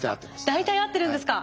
大体合ってるんですか！